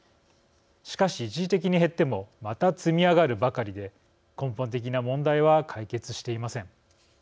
しかし、一時的に減ってもまた積み上がるばかりで根本的な問題は解決していません。